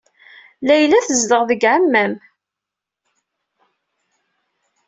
Layla tezdeɣ deg ɛemman.